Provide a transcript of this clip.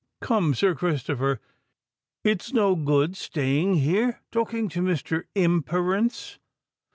"Come, Sir Christopher—it's no good staying here talking to Mr. Imperance."